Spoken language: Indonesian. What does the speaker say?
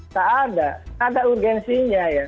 tak ada ada urgensinya ya